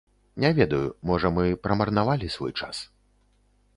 Не ведаю, можа мы прамарнавалі свой час.